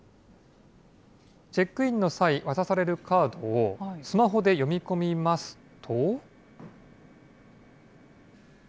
チェックインの際、渡されるカードをスマホで読み込みますと。